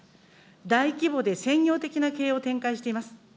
大規模で専業的な経営を展開しています。